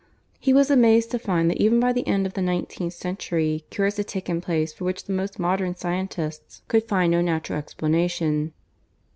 He was amazed to find that even by the end of the nineteenth century cures had taken place for which the most modern scientists could find no natural explanation.